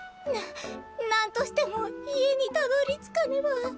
な何としても家にたどりつかねば。